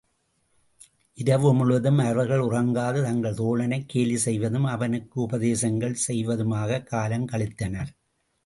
இரவுமுழுவதும் அவர்கள் உறங்காது தங்கள் தோழனைக் கேலி செய்வதும், அவனுக்கு உபதேசங்கள் செய்வதுமாகக் காலங்கழித்தனர்.